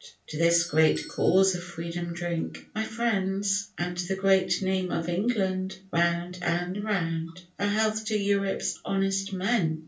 To this great cause of Freedom drink, my friends, And the great name of England round and round. A health to Europe's honest men!